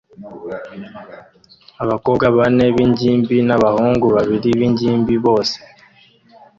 Abakobwa bane b'ingimbi n'abahungu babiri b'ingimbi bose